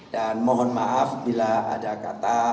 dan mohon maaf bila ada kata atau laku yang tidak berhasil